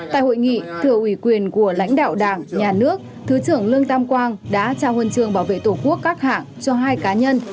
tại hội nghị thừa ủy quyền của lãnh đạo đảng nhà nước thứ trưởng lương tam quang đã trao huân trường bảo vệ tổ quốc các hạng cho hai cá nhân